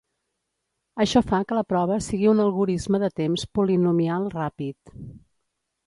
Això fa que la prova sigui un algorisme de temps polinomial ràpid.